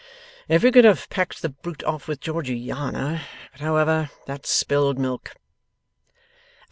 'If we could have packed the brute off with Georgiana; but however; that's spilled milk.